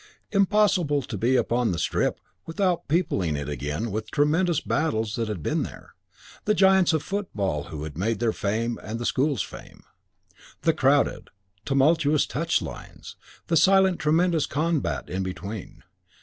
Impossible to be upon The Strip without peopling it again with the tremendous battles that had been here, the giants of football who here had made their fame and the school's fame; the crowded, tumultuous touch lines; the silent, tremendous combat in between.